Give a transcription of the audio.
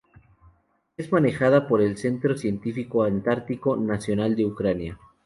Es manejada por el Centro Científico Antártico Nacional de Ucrania.